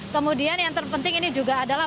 kemudian yang terpenting ini juga adalah